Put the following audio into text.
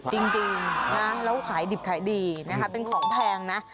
จริงนะแล้วขายดิบขายดีนะคะเป็นของแพงนะ